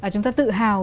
chúng ta tự hào